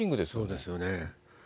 そうですよね。